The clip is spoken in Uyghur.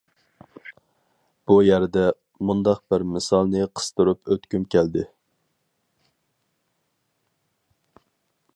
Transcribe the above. بۇ يەردە مۇنداق بىر مىسالنى قىستۇرۇپ ئۆتكۈم كەلدى.